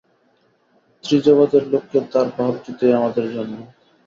ত্রিজগতের লোককে তাঁর ভাব দিতেই আমাদের জন্ম।